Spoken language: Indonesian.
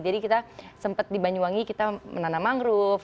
jadi kita sempet di banyuwangi kita menanam mangrove